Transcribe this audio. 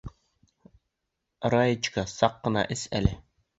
Раечка, саҡ ҡына эс әле...